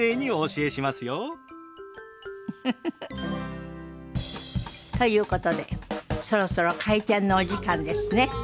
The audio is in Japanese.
ウフフフ。ということでそろそろ開店のお時間ですね。